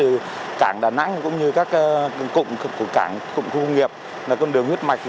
tương đối từ cảng đà nẵng cũng như các cụm của cảng cụm khu công nghiệp là con đường huyết mạch